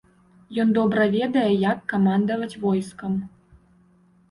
Ён добра ведае, як камандаваць войскам.